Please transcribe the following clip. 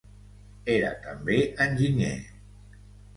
Era també enginyer.